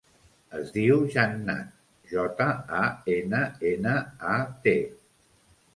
Es diu Jannat: jota, a, ena, ena, a, te.